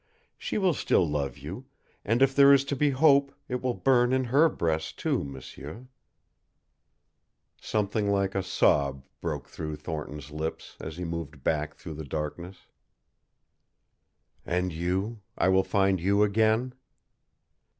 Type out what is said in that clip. She will still love you, and if there is to be hope it will burn in HER breast, too. M'sieur " Something like a sob broke through Thornton's lips as he moved back through the darkness. "And you I will find you again?"